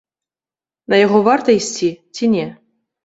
На яго варта ісці ці не?